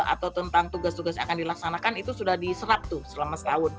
atau tentang tugas tugas yang akan dilaksanakan itu sudah diserap tuh selama setahun